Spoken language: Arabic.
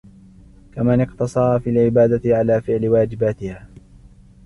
كَمَنْ اقْتَصَرَ فِي الْعِبَادَةِ عَلَى فِعْلِ وَاجِبَاتِهَا